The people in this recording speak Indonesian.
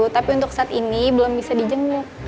tapi untuk saat ini belum bisa dijenguk